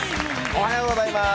おはようございます。